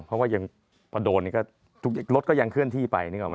เพราะว่ายังพอโดนนี่ก็ทุกรถก็ยังเคลื่อนที่ไปนึกออกไหม